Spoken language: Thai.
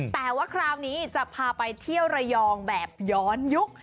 แต่ว่าคราวนี้จะพาไปเที่ยวระยองแบบย้อนยุค